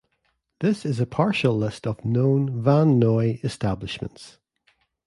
This is a partial list of known Van Noy establishments.